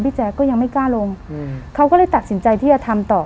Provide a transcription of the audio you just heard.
แจ๊คก็ยังไม่กล้าลงเขาก็เลยตัดสินใจที่จะทำต่อ